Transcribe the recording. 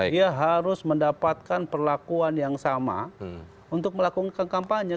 dia harus mendapatkan perlakuan yang sama untuk melakukan kampanye